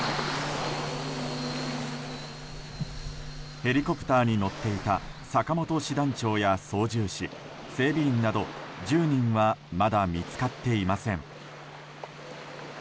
ヘリコプターに乗っていた坂本師団長や操縦士整備員など１０人はまだ見つかっていません。